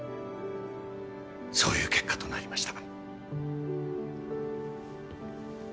そういう結果となりました。